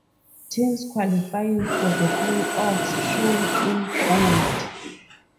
Teams qualifying for the playoffs shown in bold.